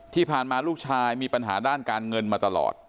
ที่ผ่านมาลูกชายมีปัญหาด้านการเงินมาตลอด